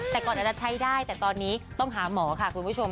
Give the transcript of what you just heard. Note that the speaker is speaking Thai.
แต่ก่อนอาจจะใช้ได้แต่ตอนนี้ต้องหาหมอค่ะคุณผู้ชม